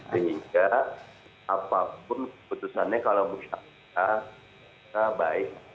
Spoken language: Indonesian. sehingga apapun keputusannya kalau mencari kita kita baik